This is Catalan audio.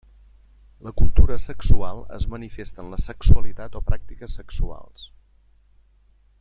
La cultura sexual es manifesta en la sexualitat o pràctiques sexuals.